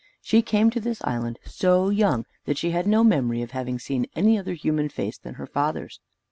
She came to this island so young, that she had no memory of having seen any other human face than her father's.